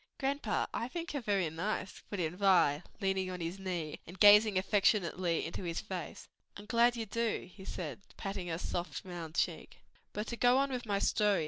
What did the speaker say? "Grandpa, I think you're very nice," put in little Vi, leaning on his knee, and gazing affectionately into his face. "I'm glad you do," he said, patting her soft round cheek. "But to go on with my story.